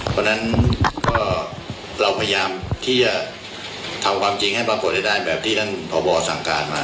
เพราะฉะนั้นก็เราพยายามที่จะทำความจริงให้ปรากฏให้ได้แบบที่ท่านพบสั่งการมา